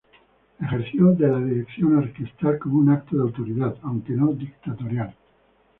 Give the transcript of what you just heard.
Ejerció de la dirección orquestal como un acto de autoridad, aunque no dictatorial.